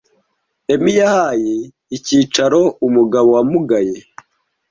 Emi yahaye icyicaro umugabo wamugaye.